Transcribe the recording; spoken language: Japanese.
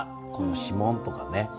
この指紋とかね。